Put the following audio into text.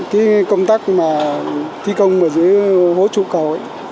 cái công tác mà thi công ở dưới hố trụ cầu ấy